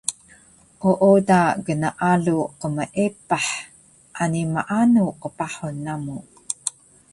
Ooda gnaalu qmeepah ani maanu qpahun namu